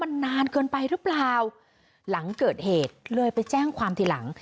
รออะไรอยู่๓ชั่วโมง